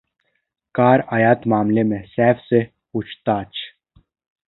car आयात मामले में सैफ से पूछताछ